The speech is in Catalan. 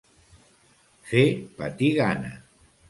Fer patir gana.